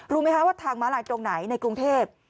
รู้ไหมคะว่าทางม้าลายตรงไหนในกรุงเทพ